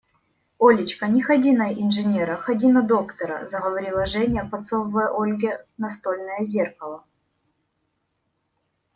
Олечка, не ходи на инженера, ходи на доктора, – заговорила Женя, подсовывая Ольге настольное зеркало.